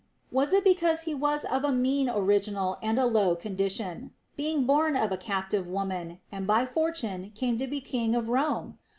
Was it because he was of a mean original and in a low condition, being born of a captive woman, and by fortune came to be king of Rome